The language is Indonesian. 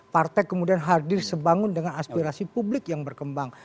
partai kemudian hadir sebangun dengan aspirasi publik yang berkembang